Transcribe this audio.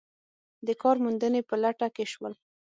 د کار موندنې په لټه کې شول.